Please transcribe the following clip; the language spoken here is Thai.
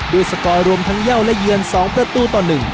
สกอร์รวมทั้งเย่าและเยือน๒ประตูต่อ๑